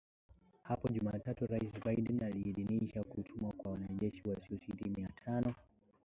Hapo Jumatatu Rais Biden aliidhinisha kutumwa kwa wanajeshi wasiozidi mia tano